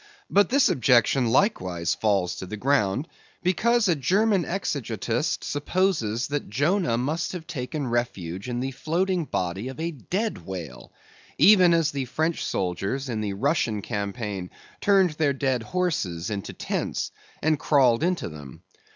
But this objection likewise falls to the ground, because a German exegetist supposes that Jonah must have taken refuge in the floating body of a dead whale—even as the French soldiers in the Russian campaign turned their dead horses into tents, and crawled into them.